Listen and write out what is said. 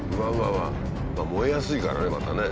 燃えやすいからねまたね。